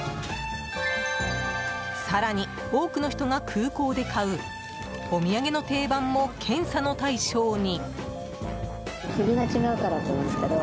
更に、多くの人が空港で買うお土産の定番も検査の対象に。